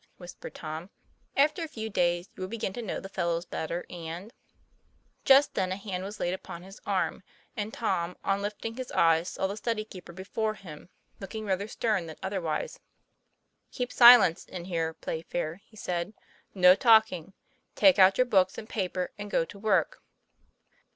whispered Tom; "after a few days you will begin to know the fellows better and " Just then a hand was laid upon his arm, and Tom on lifting his eyes saw the study keeper before him, looking rather stern than otherwise. "Keep silence in here, Playfair," he said, "no talking; take out your books and paper and go to work."